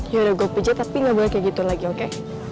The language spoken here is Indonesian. ya udah gua pijat tapi ga boleh kayak gitu lagi oke